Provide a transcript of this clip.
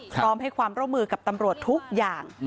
พร้อมให้ความร่วมมือกับตำรวจทุกอย่าง